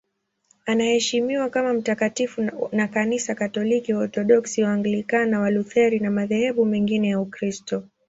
Anaheshimiwa kama mtakatifu na Kanisa Katoliki, Waorthodoksi, Waanglikana, Walutheri na madhehebu mengine ya Ukristo.